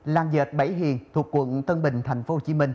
làng dệt bảy hiền thuộc quận tân bình tp hcm